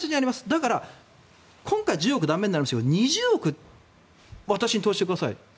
だから今回１０億駄目になりましたけど２０億、私に投資してください。